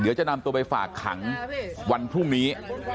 เดี๋ยวจะนำตัวไปฝากขังวันพรุ่งนี้